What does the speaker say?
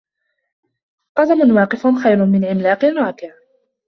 قزم واقف خير من عملاق راكع.